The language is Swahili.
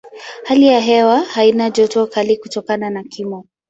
Hali ya hewa haina joto kali kutokana na kimo.